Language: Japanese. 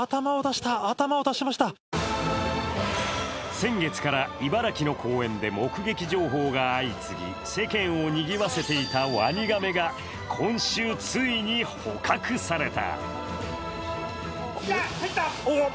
先月から茨城の公園で目撃情報が相次ぎ世間をにぎわせていたワニガメが今週、ついに捕獲された。